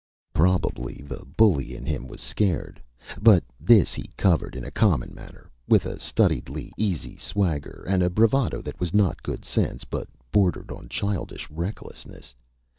Probably the bully in him was scared; but this he covered in a common manner with a studiedly easy swagger, and a bravado that was not good sense, but bordered on childish recklessness.